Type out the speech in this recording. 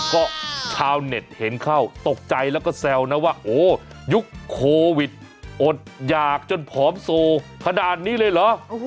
ก็ชาวเน็ตเห็นเข้าตกใจแล้วก็แซวนะว่าโอ้ยุคโควิดอดหยากจนผอมโซขนาดนี้เลยเหรอ